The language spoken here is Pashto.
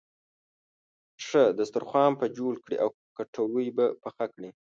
ښه دسترخوان به جوړ کړې او کټوۍ به پخه کړې.